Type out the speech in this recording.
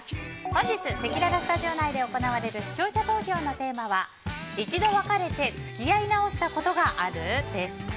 本日せきららスタジオ内で行われる、視聴者投票のテーマは一度別れて付き合い直したことがある？です。